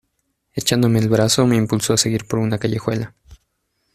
Echándome el brazo me impulsó a seguir por una callejuela.